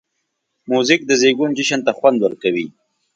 موزیک د زېږون جشن ته خوند ورکوي.